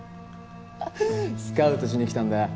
スカウトしに来たんだよ。